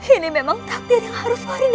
ini memang takdir yang harus farida terima bopo